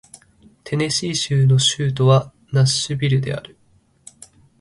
テネシー州の州都はナッシュビルである